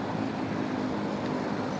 saya akan mencoba untuk mencoba